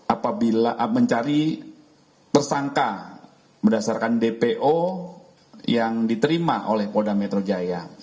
apabila mencari tersangka berdasarkan dpo yang diterima oleh polda metro jaya